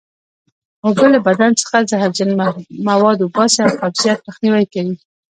اوبه له بدن څخه زهرجن مواد وباسي او قبضیت مخنیوی کوي